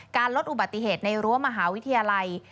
ลดอุบัติเหตุในรั้วมหาวิทยาลัย